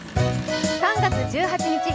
３月１８日